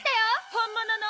本物の！